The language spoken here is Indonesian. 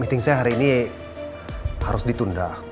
meeting saya hari ini harus ditunda